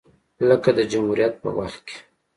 لکه د جمهوریت په وخت کې